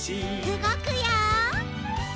うごくよ！